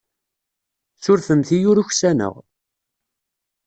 Surfemt-iyi ur uksaneɣ.